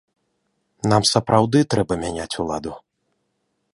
Нам сапраўды трэба мяняць уладу.